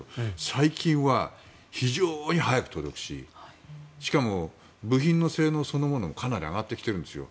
最近は非常に早く届くししかも、部品の性能そのものもかなり上がってきてるんですよ。